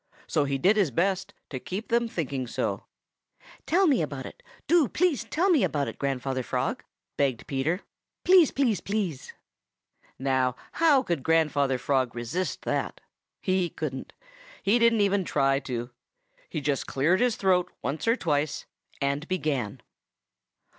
So he did his best to make them keep thinking so." "Tell me about it. Do please tell me about it, Grandfather Frog," begged Peter. "Please, please, please." Now how could Grandfather Frog resist that? He couldn't. He didn't even try to. He just cleared his throat once or twice and began.